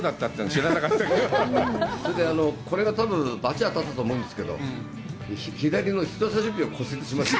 それで、これが多分、バチ当たったと思うんですけど、左の人さし指を骨折しました。